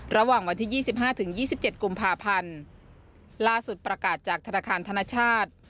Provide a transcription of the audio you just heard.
ระหว่างวันที่ยี่สิบห้าถึงยี่สิบเจ็ดกุมภาพันธ์ล่าสุดประกาศจากธนาคารธนชาติ